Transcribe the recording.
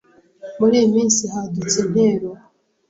Muri iyi minsi, hadutse intero